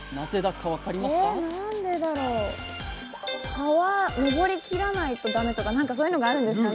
川上りきらないと駄目とか何かそういうのがあるんですかね？